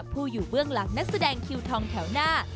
ผู้อยู่เบื้องหลังนักแสดงคิวทองแถวหน้า